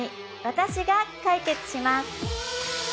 私が解決します